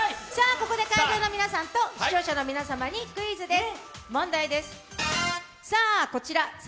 ここで会場の皆さんと視聴者の皆さんにクイズです。